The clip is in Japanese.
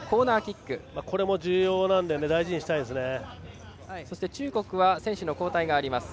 これも重要なので大事にしたいですね。